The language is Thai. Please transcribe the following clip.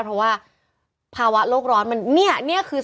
เพราะว่าภาวะโลกร้อนเนี่ยคือสาเหตุ